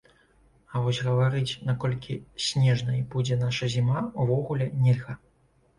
А вось гаварыць, наколькі снежнай будзе наша зіма, увогуле нельга.